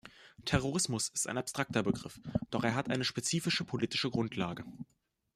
Terrorismus ist ein abstrakter Begriff, doch er hat eine spezifische politische Grundlage.